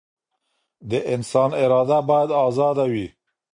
د انسان اراده بايد ازاده وي.